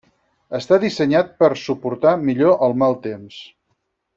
Està dissenyat per suportar millor el mal temps.